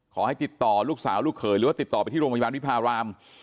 ขอให้ติดต่อลูกสาวลูกเขยหรือว่าติดต่อไปที่โรงพยาบาลวิพาราม